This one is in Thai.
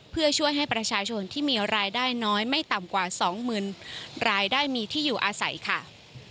เพื่อช่วยให้ประชาชนที่มีรายได้น้อยไม่ต่ำกว่าสองหมื่นรายได้มีที่อยู่อาศัยค่ะ